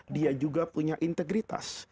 dia juga punya integritas